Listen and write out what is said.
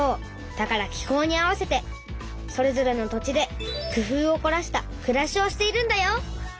だから気候に合わせてそれぞれの土地で工夫をこらしたくらしをしているんだよ。